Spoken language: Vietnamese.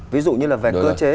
ví dụ như là về cơ chế